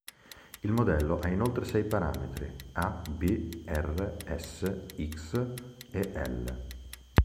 Il modello ha inoltre sei parametri: "a", "b", "r", "s", "x" e "I".